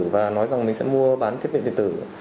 và nói rằng mình sẽ mua bán thiết bị điện tử